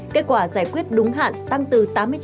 kết quả giải quyết đúng hạn tăng từ tám mươi tám